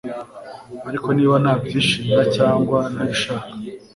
ariko niba nabyishimira cyangwa ntabishaka ..